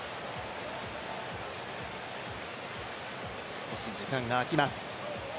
少し時間があきます。